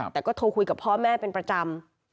แต่ก็โทรคุยกับพ่อแม่เป็นประจำ